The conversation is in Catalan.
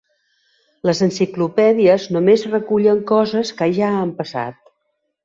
Les enciclopèdies només recullen coses que ja han passat.